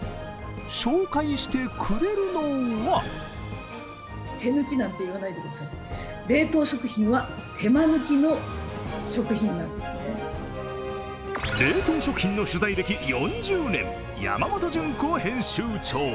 紹介してくれるのは冷凍食品の取材歴４０年、山本純子編集長。